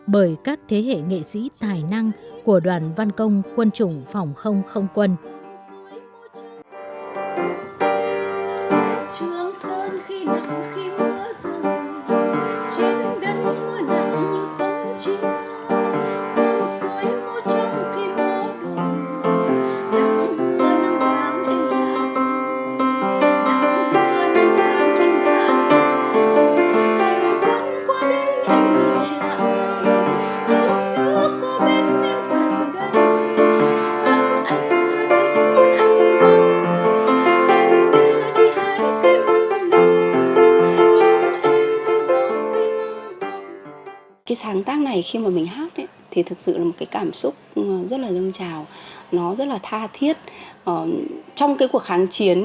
bởi các thế hệ nghệ sĩ tài năng của đoàn văn công quân chủng phòng không không quân